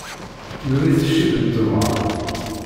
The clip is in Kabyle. Yuli-t ccib n temɣer.